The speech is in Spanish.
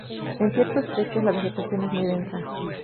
En ciertos trechos la vegetación es muy densa.